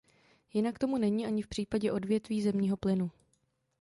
Jinak tomu není ani v případě odvětví zemního plynu.